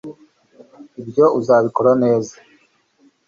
ibyo uzabibona neza